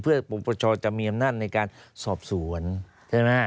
เพื่อปรปชจะมีอำนาจในการสอบสวนใช่ไหมฮะ